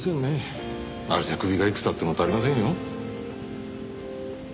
あれじゃ首がいくつあっても足りませんよ。